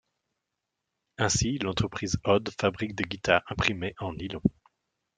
Ainsi, l’entreprise Odd fabrique des guitares imprimées en nylon.